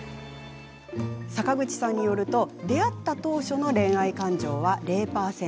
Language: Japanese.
坂口さんによると出会った当初の恋愛感情は０％。